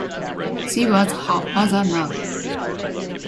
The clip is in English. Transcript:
She was her father now.